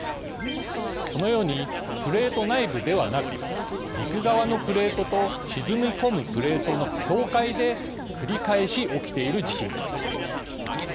このようにプレート内部ではなく陸側のプレートと沈み込むプレートの境界で繰り返し起きている地震です。